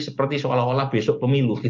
seperti seolah olah besok pemilu